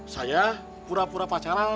saya pura pura pacaran